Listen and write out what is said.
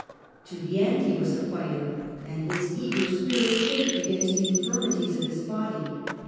To the last he was a fighter, and his eager spirit chafed against the infirmities of his body.